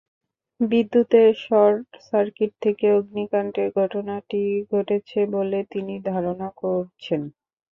বিদ্যুতের শর্টসার্কিট থেকে অগ্নিকাণ্ডের ঘটনাটি ঘটেছে বলে তিনি ধারণা করছেন।